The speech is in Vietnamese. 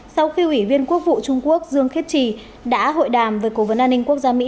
sau khi ủy viên quốc vụ trung quốc dương khiết trì đã hội đàm với cố vấn an ninh quốc gia mỹ